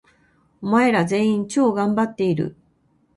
お前ら、全員、超がんばっている！！！